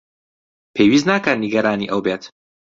پێویست ناکات نیگەرانی ئەو بێت.